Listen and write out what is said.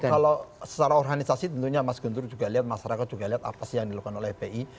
kalau secara organisasi tentunya mas guntur juga lihat masyarakat juga lihat apa sih yang dilakukan oleh fpi